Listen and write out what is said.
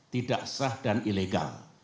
tidak sah dan ilegal